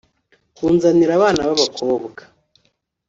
kunzanira abana babakobwa